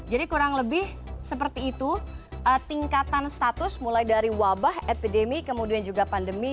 jadi kurang lebih seperti itu tingkatan status mulai dari wabah epidemi kemudian juga pandemi